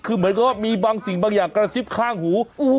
คือเหมือนกับว่ามีบางสิ่งบางอย่างกระซิบข้างหู